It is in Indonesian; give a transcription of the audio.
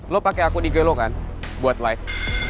lo pake aku di gelo kan buat live